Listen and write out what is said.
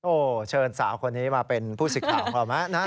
โอ้เชิญสาวคนนี้มาเป็นผู้สิทธิ์ข่าวเขานะฮะ